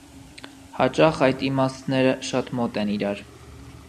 Հաճախ այդ իմաստները շատ մոտ են իրար։